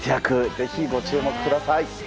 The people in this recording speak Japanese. ぜひご注目ください。